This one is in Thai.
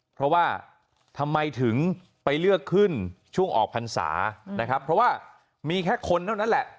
เพราะว่าทำไมถึงไปเลือกขึ้นช่วงออกพรรษานะครับเพราะว่ามีแค่คนเท่านั้นแหละ